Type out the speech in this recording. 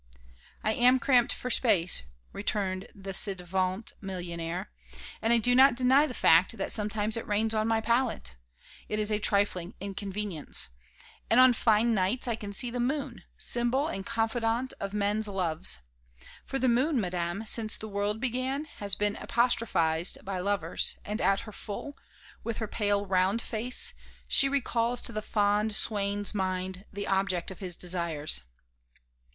"I am cramped for space," returned the ci devant millionaire; "and I do not deny the fact that sometimes it rains on my pallet. It is a trifling inconvenience. And on fine nights I can see the moon, symbol and confidant of men's loves. For the moon, Madame, since the world began, has been apostrophized by lovers, and at her full, with her pale round face, she recalls to the fond swain's mind the object of his desires."